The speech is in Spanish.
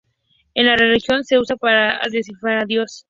En la religión se usa para designar a Dios.